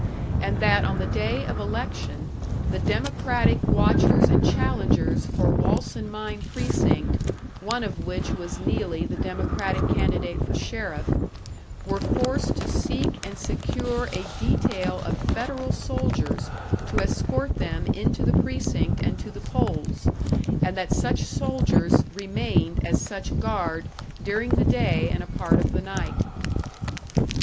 And that on the day of election, the Democratic watchers and challengers for Walsen Mine precinct, one of which was Neelley, the Democratic candidate for sheriff, were forced to seek and secure a detail of Federal soldiers to escort them into the precinct and to the polls, and that such soldiers remained as such guard during the day and a part of the night....